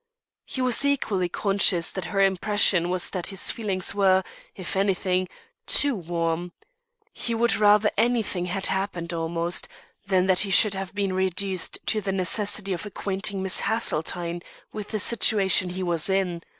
He was equally conscious that her impression was that his feelings were, if anything, too warm. He would rather anything had happened, almost, than that he should have been reduced to the necessity of acquainting Miss Haseltine with the situation he was in.